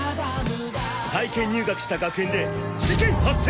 体験入学した学園で事件発生！